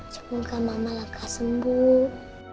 semoga mama lega sembuh